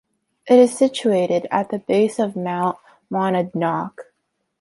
It is situated at the base of Mount Monadnock.